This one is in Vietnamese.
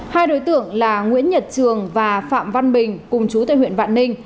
hai đối tượng là nguyễn nhật trường và phạm văn bình cùng chú tại huyện vạn ninh